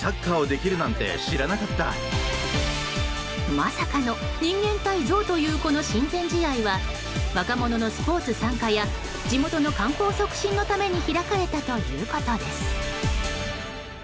まさかの人間対ゾウというこの親善試合は若者のスポーツ参加や地元の観光促進のために開かれたということです。